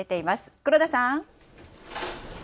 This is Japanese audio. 黒田さん。